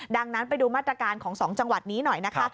ดังนั้นไปดูมาตรการของ๒จังหวัดนี้หน่อยนะคะ